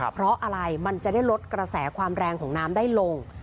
เพราะอะไรมันจะได้ลดกระแสความแรงของน้ำได้ลง